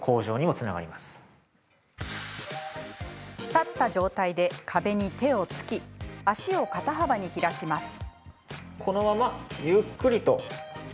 立った状態で壁に手をつき足を肩幅に開きます。